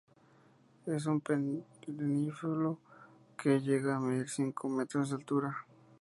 Es un perennifolio que llega a medir cinco metros de altura.